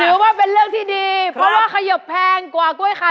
ถือว่าเป็นเรื่องที่ดีเพราะว่าขยบแพงกว่ากล้วยไข่